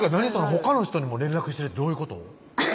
ほかの人にも連絡してるってどういうこと？